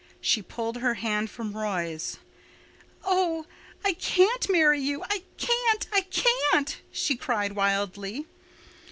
She pulled her hand from Roy's. "Oh, I can't marry you—I can't—I can't," she cried, wildly.